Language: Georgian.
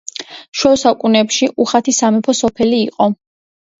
შუა საუკუნეებში უხათი სამეფო სოფელი იყო.